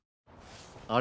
あれ？